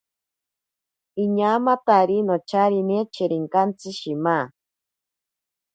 Iñaamatari nocharine cherinkantsi shima.